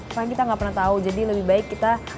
apa yang kita gak pernah tau jadi lebih baik kita